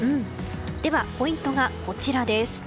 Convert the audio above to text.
ではポイントがこちら。